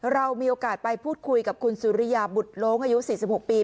เรามีโอกาสไปพูดคุยกับคุณสุริยาบุตรโล้งอายุ๔๖ปี